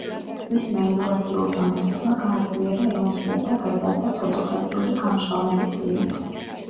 მისმა ინოვაციურმა მეთოდმა გააძლიერა ემულსია და გაზარდა ფოტოგრაფიული გამჟღავნების ლიმიტი.